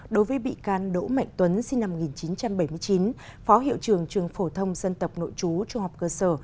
đối với bị can đỗ mạnh tuấn sinh năm một nghìn chín trăm bảy mươi chín phó hiệu trường trường phổ thông dân tộc nội chú trung học cơ sở